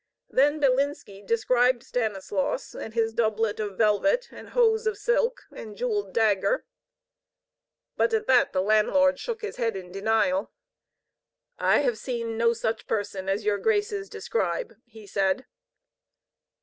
Then Bilinski described Stanislaus and his doublet of velvet and hose of silk and jeweled dagger. But at that the landlord shook his head in denial. "I have seen no such person as your graces describe," he said.